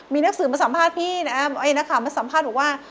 มีนักสื่อมาสัมภาษณ์พี่นะนักข่าวมาสัมภาษณ์บอกว่า